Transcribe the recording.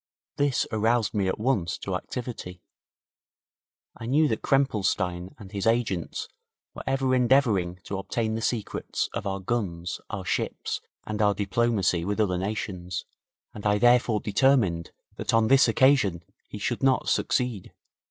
This aroused me at once to activity. I knew that Krempelstein and his agents were ever endeavouring to obtain the secrets of our guns, our ships, and our diplomacy with other nations, and I therefore determined that on this occasion he should not succeed.